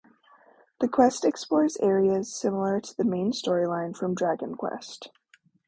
The quest explores areas similar to the main storyline from "Dragon Quest".